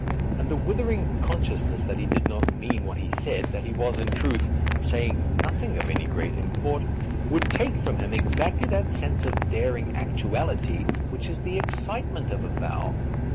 And the withering consciousness that he did not mean what he said, that he was, in truth, saying noth ing of any great import, would take from him exactly that sense of daring actuality which is the excitement of a vow.